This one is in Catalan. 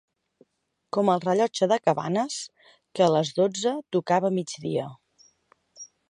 Com el rellotge de Cabanes, que a les dotze tocava a migdia.